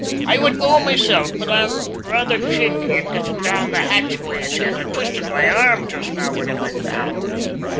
I would go myself, but I'm rather shaky in getting down the hatchway as yet. I twisted my arm just now when I went down."